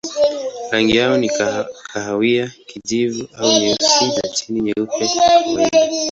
Rangi yao ni kahawia, kijivu au nyeusi na chini nyeupe kwa kawaida.